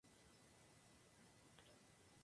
El periodo de floración es de junio a agosto.